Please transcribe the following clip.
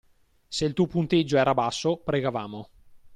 Se il tuo punteggio era basso, pregavamo.